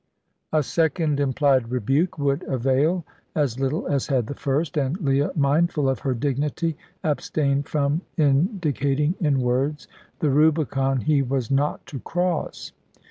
A second implied rebuke would avail as little as had the first, and Leah, mindful of her dignity, abstained from indicating in words the Rubicon he was not to cross.